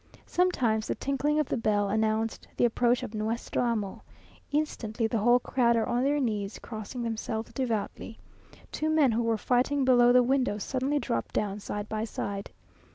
Sometimes the tinkling of the bell announced the approach of Nuestro Amo. Instantly the whole crowd are on their knees, crossing themselves devoutly. Two men who were fighting below the window suddenly dropped down side by side.